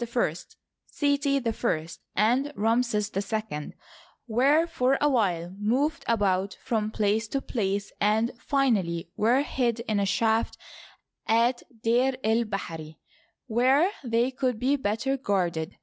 Thutmosis III, Ramses I, Seti I, and Ramses II, were for a while moved about from place to place, and finally were hid in a shaft at Ddr el bahiri, where they could be better guarded.